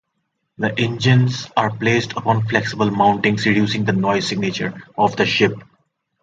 The engines are placed upon flexible mountings reducing the noise signature of the ship.